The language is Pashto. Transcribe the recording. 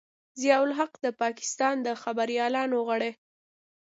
ضیا الحق د پاکستان د خبریالانو غړی.